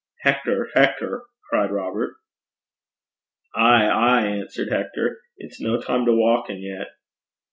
'Hector! Hector!' cried Robert. 'Ay, ay,' answered Hector. 'It's no time to wauken yet.'